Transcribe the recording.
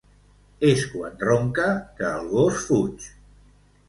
És quan ronca que el gos fuig.